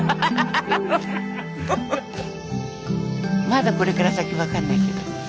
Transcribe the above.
まだこれから先分かんないけど。